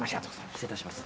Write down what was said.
失礼いたします。